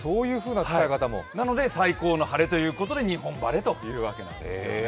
なので最高の晴れということで日本晴れと言うわけなんですね。